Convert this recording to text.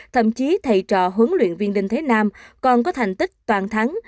thậm chí thầy trò huấn luyện viên đinh thế nam còn có thành tích toàn thắng